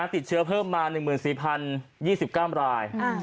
ติดเชื้อเพิ่มมา๑๔๐๒๙ราย